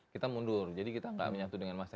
kita mundur jadi kita tidak menyatu dengan massa